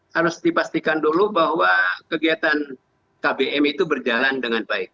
harus dipastikan dulu bahwa kegiatan kbm itu berjalan dengan baik